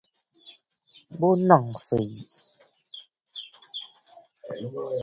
Bo ŋì’ìsǝ̀ yi.